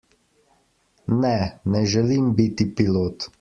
Ne, ne želim biti pilot.